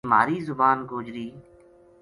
جے مھاری زبان گوجری